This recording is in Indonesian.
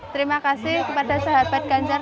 terima kasih kepada sahabat ganjar